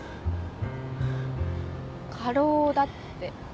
過労だって。